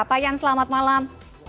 payan selamat malam